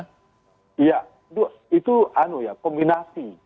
iya itu kombinasi